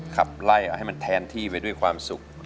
ขับไล่ให้มันแทนที่ไปด้วยความสุข